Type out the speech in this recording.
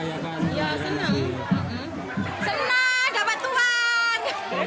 senang dapat uang